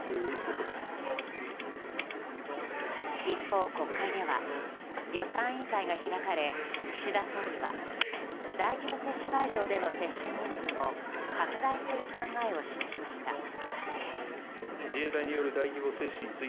一方、国会では予算委員会が開かれ岸田総理は大規模接種会場での接種人数を拡大する考えを示しました。